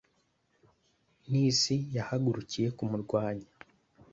n'isi yahagurukiye kumurwanya